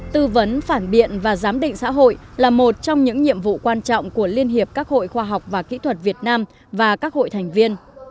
tư vấn phản biện và giám định xã hội là một trong những nhiệm vụ quan trọng của liên hiệp các hội khoa học và kỹ thuật việt nam và các hội thành viên